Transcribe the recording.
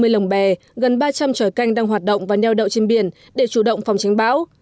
bốn trăm năm mươi lồng bè gần ba trăm linh trời canh đang hoạt động và neo đậu trên biển để chủ động phòng chống bão